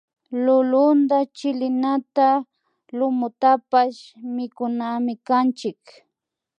Lulunta chilinata lumutapash mikunamikanchik